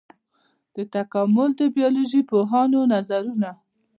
د تکامل د بيولوژي پوهانو نظرونه.